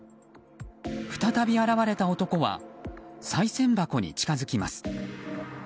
再び現れた男はさい銭箱に近づきます。